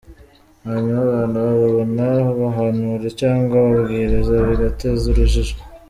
Hanyuma abantu bababona bahanura cyangwa babwiriza bigateza urujijo.